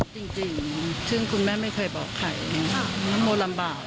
จริงซึ่งคุณแม่ไม่เคยบอกใครน้องโมลำบาก